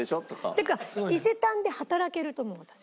ってか伊勢丹で働けると思う私。